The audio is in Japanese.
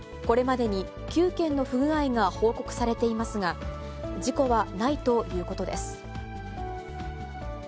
これまでに９件の不具合が報告されていますが、事故はないということです。